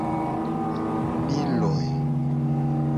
Mi loe.